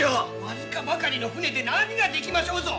僅かばかりの船で何ができましょうぞ！